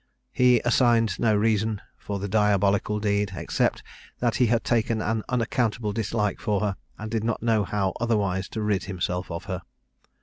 He assigned no reason for the diabolical deed, except that he had taken an unaccountable dislike for her, and did not know how otherwise to rid himself of her.